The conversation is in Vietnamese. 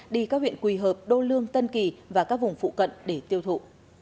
đi các huyện quỳ hợp đô lương tân kỳ và các vùng phụ cận để tiêu thụ